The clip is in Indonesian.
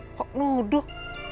loh kok nuduh